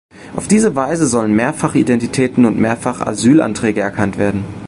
Auf diese Weise sollen Mehrfach-Identitäten und mehrfache Asylanträge erkannt werden.